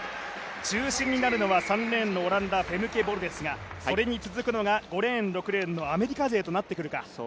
中心になるのは３レーンのオランダフェムケ・ボルですがそれに続くのが５レーン、６レーンのアメリカ勢となってくるか。